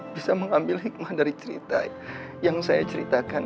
bisa mengambil hikmah dari cerita yang saya ceritakan